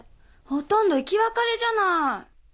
ほとんど生き別れじゃない！